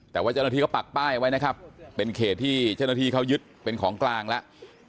แต่ว่าเจ้าหน้าที่เขาปักป้ายไว้นะครับเป็นเขตที่เจ้าหน้าที่เขายึดเป็นของกลางแล้ว